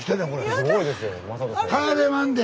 すごいですよ。